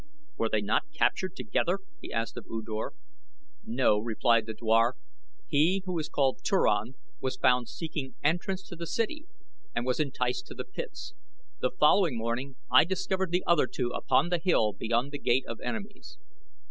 "Were they not captured together?" he asked of U Dor. "No," replied the dwar. "He who is called Turan was found seeking entrance to the city and was enticed to the pits. The following morning I discovered the other two upon the hill beyond The Gate of Enemies."